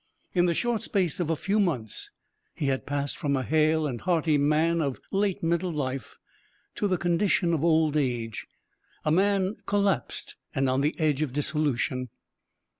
In the short space of a few months he had passed from a hale and hearty man of late middle life to the condition of old age a man collapsed and on the edge of dissolution.